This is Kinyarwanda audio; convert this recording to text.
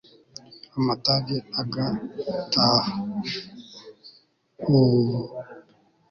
amatage agataha = u-uu-u